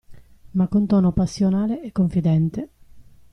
Ma con tono passionale e confidente.